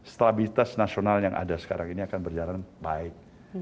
stabilitas nasional yang ada sekarang ini akan berjalan baik